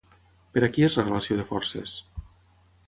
Per a qui és la relació de forces?